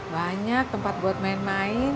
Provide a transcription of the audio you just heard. banyak tempat buat main main